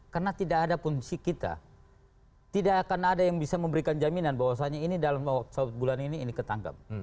karena tidak ada pun si kita tidak akan ada yang bisa memberikan jaminan bahwasannya ini dalam waktu bulan ini ini ketangkap